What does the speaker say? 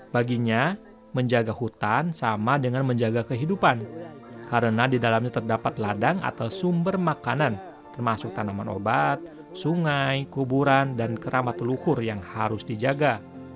baginya menjaga hutan sama dengan menjaga kehidupan karena di dalamnya terdapat ladang atau sumber makanan termasuk tanaman obat sungai kuburan dan keramat luhur yang harus dijaga